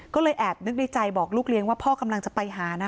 ก็เลยแอบนึกในใจบอกลูกเลี้ยงว่าพ่อกำลังจะไปหานะ